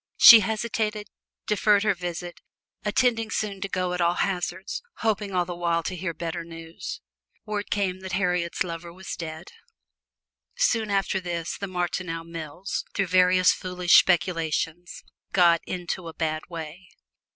She hesitated, deferred her visit intending soon to go at all hazards hoping all the while to hear better news. Word came that Harriet's lover was dead. Soon after this the Martineau mills, through various foolish speculations, got into a bad way.